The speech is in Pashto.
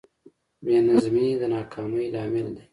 بېنظمي د ناکامۍ لامل دی.